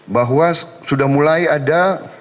bahwa sudah mulai ada